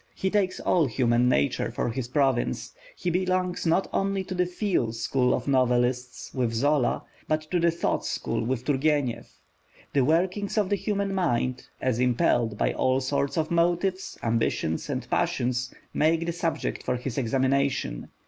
He takes all human nature for his province. He belongs not only to the "feel" school of novelists, with Zola, but to the "thought" school, with Turgenev. The workings of the human mind, as impelled by all sorts of motives, ambitions, and passions, make the subject for his examination.